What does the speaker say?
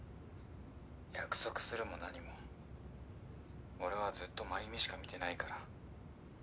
約束するも何も俺はずっと繭美しか見てないから。